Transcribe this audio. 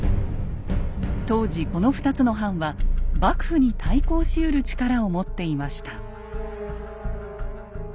当時この２つの藩は幕府に対抗しうる力を持っていました。